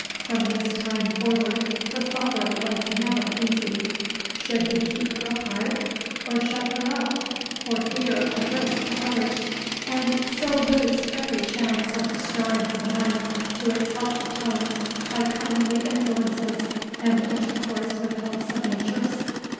From this time forward her father was never easy. Should he keep her apart, or shut her up, for fear of risk to others, and so lose every chance of restoring her mind to its healthy tone by kindly influences and intercourse with wholesome natures?